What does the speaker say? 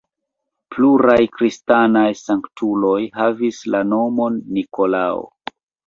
Pluraj kristanaj sanktuloj havis la nomon Nikolao.